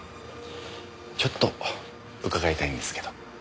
ちょっと伺いたいんですけど。